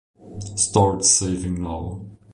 Start Saving Now